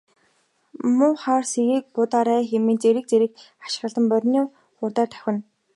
Муу хар сэгийг буудаарай хэмээн зэрэг зэрэг хашхиралдан морины хурдаар давхилдана.